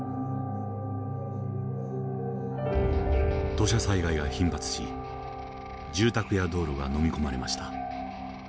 土砂災害が頻発し住宅や道路がのみ込まれました。